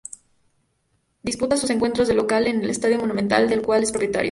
Disputa sus encuentros de local en el Estadio Monumental, del cual es propietario.